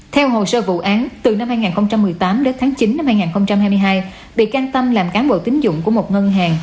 theo hồ sơ vụ án từ năm hai nghìn một mươi tám đến tháng chín năm hai nghìn hai mươi hai bị can tâm làm cán bộ tính dụng của một ngân hàng